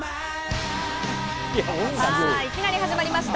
はい、いきなり始まりました。